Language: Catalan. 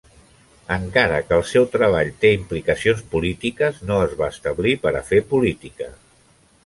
Encara que el seu treball té implicacions polítiques, no es va establir per a fer política.